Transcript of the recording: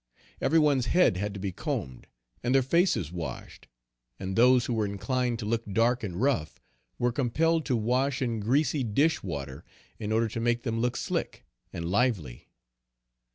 Every one's head had to be combed, and their faces washed, and those who were inclined to look dark and rough, were compelled to wash in greasy dish water, in order to make them look slick and lively.